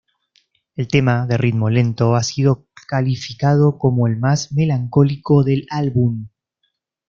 El tema, de ritmo lento, ha sido calificado como el más melancólico del álbum.